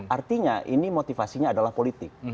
artinya ini motivasinya adalah politik